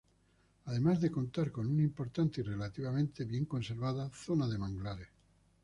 Además de contar con una importante y relativamente bien conservada zona de manglares.